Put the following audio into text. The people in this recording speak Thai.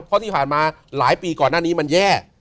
เพราะที่ผ่านมาหลายปีก่อนหน้านี้มันแย่